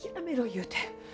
言うて。